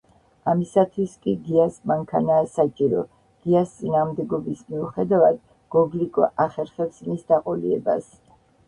ამისათვის კი გიას მანქანაა საჭირო, გიას წინააღმდეგობის მიუხედავად, გოგლიკო ახერხებს მის დაყოლიებას.